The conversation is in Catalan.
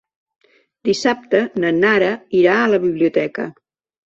Dissabte na Nara irà a la biblioteca.